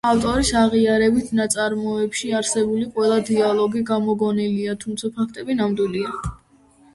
ავტორის აღიარებით, ნაწარმოებში არსებული ყველა დიალოგი გამოგონილია თუმცა ფაქტები ნამდვილია.